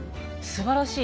すばらしい。